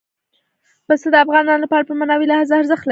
پسه د افغانانو لپاره په معنوي لحاظ ارزښت لري.